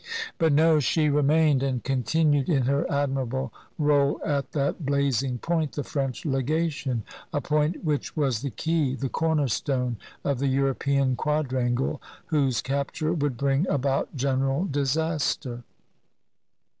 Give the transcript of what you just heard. But no, she remained and continued in her admirable role at that blazing point, the French Legation, — a point which was the key, the cornerstone of the European quadrangle, whose capture would bring about general disaster.